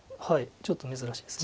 ちょっと珍しいです。